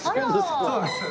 そうなんです。